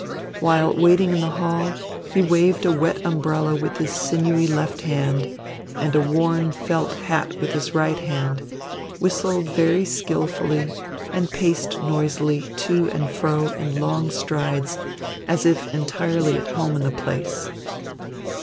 While waiting in the hall he waved a wet umbrella with his sinewy left hand and a worn felt hat with his right hand, whistled very skilfully, and paced noisily to and fro in long strides, as if entirely at home in the place.